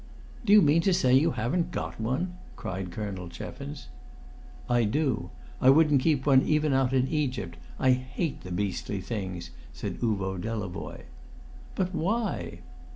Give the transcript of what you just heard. "Do you mean to say you haven't got one?" cried Colonel Cheffins. "I do. I wouldn't keep one even out in Egypt. I hate the beastly things," said Uvo Delavoye. "But why?"